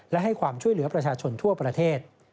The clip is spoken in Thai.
และให้ความช่วยเหลือประชาชนทั่วประเทศ